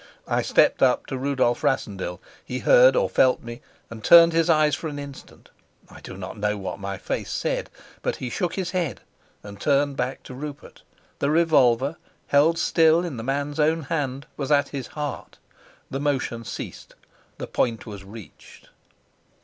I stepped up to Rudolf Rassendyll. He heard or felt me, and turned his eyes for an instant. I do not know what my face said, but he shook his head and turned back to Rupert. The revolver, held still in the man's own hand, was at his heart. The motion ceased, the point was reached.